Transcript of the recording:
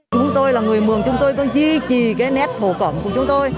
chúng tôi là người mường chúng tôi có duy trì cái nét thổ cẩm của chúng tôi